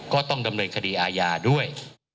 ก็ต้องดำเนินคดีอาญาด้วย